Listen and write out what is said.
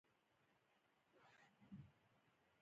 يوګړی نوم هغه کلمه ده چې په يو کس يا شي دلالت وکړي.